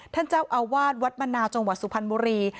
ท่านเจ้าอาวาสวัดมะนาวจศุพรมุรี